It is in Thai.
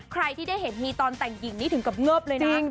ใครที่ได้เห็นมีตอนแต่งหญิงนี่ถึงกับเงิบเลยนะ